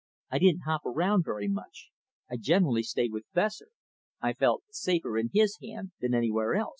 I didn't hop around there very much. I generally stayed with Fessor. I felt safer in his hand than anywhere else.